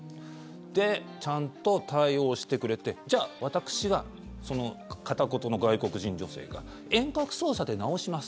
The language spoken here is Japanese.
で、ちゃんと対応してくれてじゃあ、私がその片言の外国人女性が遠隔操作で直します